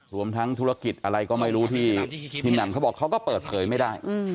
รวมทั้งธุรกิจอะไรก็ไม่รู้ที่พี่แหม่มเขาบอกเขาก็เปิดเผยไม่ได้